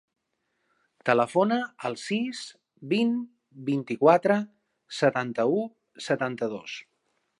Telefona al sis, vint, vint-i-quatre, setanta-u, setanta-dos.